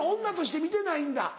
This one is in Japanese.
女として見てないんだ。